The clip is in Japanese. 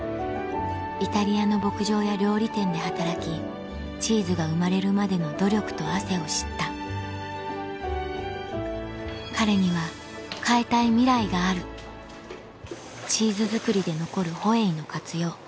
イタリアの牧場や料理店で働きチーズが生まれるまでの努力と汗を知った彼には変えたいミライがあるチーズ作りで残るホエイの活用